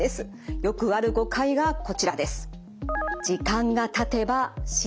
よくある誤解がこちらです。